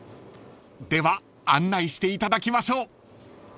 ［では案内していただきましょう］